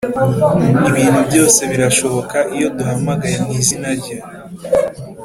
ibintu byose birashoboka iyo duhamagaye mu izina rye